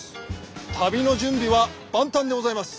旅の準備は万端でございます。